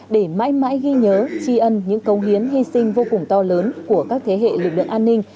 để mãi mãi ghi nhớ tri ân những công hiến hy sinh vô cùng to lớn của các thế hệ lực lượng an ninh